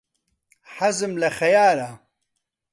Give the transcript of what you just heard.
حەزم لە خەیارە.